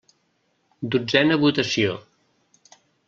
Dotzena votació.